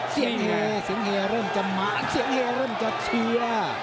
เสียงเฮเริ่มจะหมานเสียงเฮเริ่มจะเชียร์